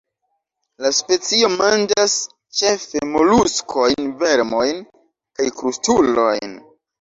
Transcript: La specio manĝas ĉefe moluskojn, vermojn kaj krustulojn.